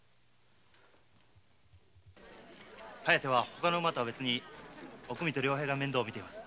「疾風」は他の馬とは別におくみと良平が面倒を見ています。